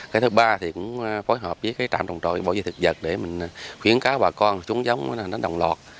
cái thứ ba phối hợp với trạm trồng trội bỏ dây thực vật để khuyến cáo bà con trúng giống đồng lọt